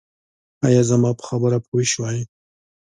ایا زما په خبره پوه شوئ؟